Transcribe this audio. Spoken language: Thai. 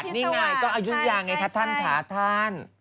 นี่ไงก็อายุยาไงคะท่านค่ะท่าน